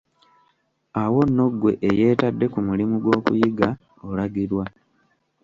Awo nno ggwe eyeetadde ku mulimu gw'okuyiga, olagirwa